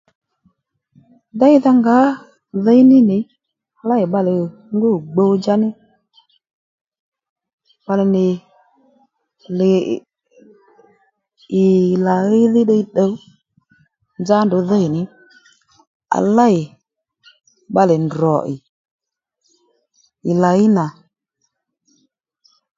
Déydha ngǎ dhǐy ní nì léy bbalè ngû gbudjá ní bbalè nì ì layí dhí ddiy ddǔw nzá ndrǔ dhî ní à lêy bbalè ndrò ì ì làyí nà